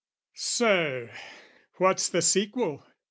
Sir, what's the sequel?